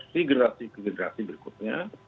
segera generasi berikutnya